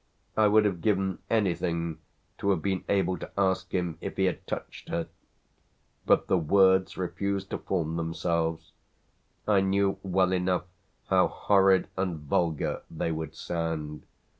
I would have given anything to have been able to ask him if he had touched her, but the words refused to form themselves: I knew well enough how horrid and vulgar they would sound.